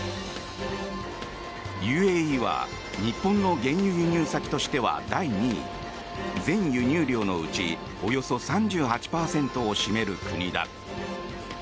ＵＡＥは日本の原油輸入先としては第２位全輸入量のうちおよそ３８％を占める国だ。